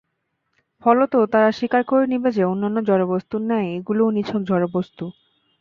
ফলত তারা স্বীকার করে নিবে যে, অন্যান্য জড়বস্তুর ন্যায় এগুলোও নিছক জড়বস্তু।